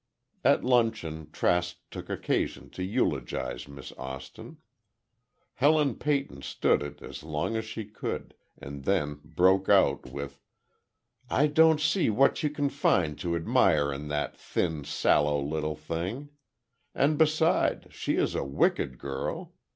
At luncheon, Trask took occasion to eulogize Miss Austin. Helen Peyton stood it as long as she could, and then broke out with: "I don't see what you can find to admire in that thin, sallow little thing! And, beside, she is a wicked girl.